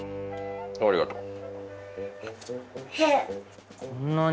ありがとう。